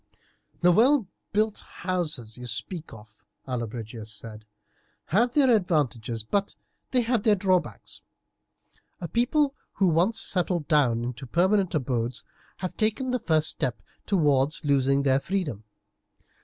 "The well built houses you speak of," Allobrigius said, "have their advantages, but they have their drawbacks. A people who once settle down into permanent abodes have taken the first step towards losing their freedom.